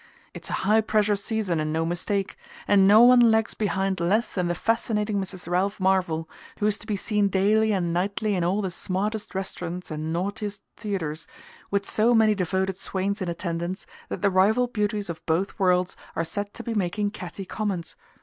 It's a high pressure season and no mistake, and no one lags behind less than the fascinating Mrs. Ralph Marvell, who is to be seen daily and nightly in all the smartest restaurants and naughtiest theatres, with so many devoted swains in attendance that the rival beauties of both worlds are said to be making catty comments.